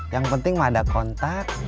yang penting mah ada kontak